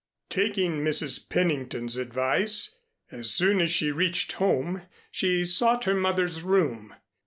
Taking Mrs. Pennington's advice, as soon as she reached home she sought her mother's room.